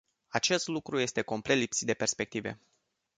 Acest lucru este complet lipsit de perspective.